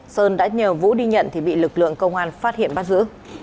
sơn đã nhờ vũ đi nhận thì bị lực lượng công an phát hiện bắt giữ